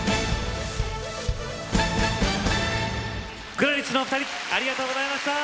ＣｌａｒｉＳのお二人ありがとうございました！